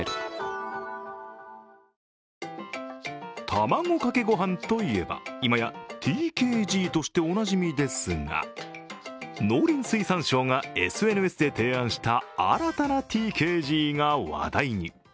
卵かけご飯といえば、今やＴＫＧとしておなじみですが農林水産省がＳＮＳで提案した新たなＴＫＧが話題に。